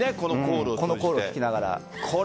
このコールを聴きながら。